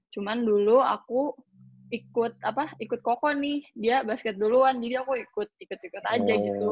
cuma dulu aku ikut kokoh nih dia basket duluan jadi aku ikut ikut aja gitu